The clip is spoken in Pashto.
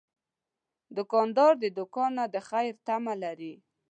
دوکاندار له دوکان نه د خیر تمه لري.